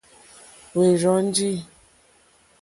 Hwɛ́ rzɔ́njì.